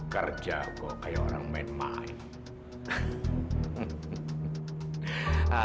kerja kok kayak orang main main